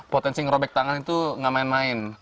potensi ngerobek tangan itu ngemain main